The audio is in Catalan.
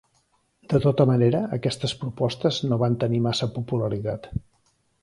De tota manera, aquestes propostes no van tenir massa popularitat.